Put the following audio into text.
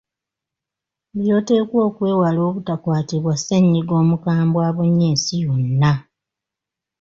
By’oteekwa okwewala obutakwatibwa ssennyiga omukambwe abunye ensi yonna.